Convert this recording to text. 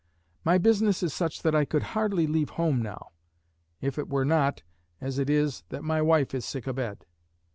My business is such that I could hardly leave home now, if it were not, as it is, that my wife is sick a bed.